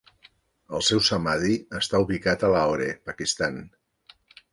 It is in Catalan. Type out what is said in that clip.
El seu samadhi està ubicat a Lahore, Pakistan.